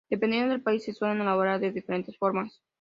Dependiendo del país se suelen elaborar de diferentes formas.